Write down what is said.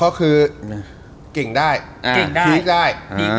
ก็คือเก่งได้พลิกได้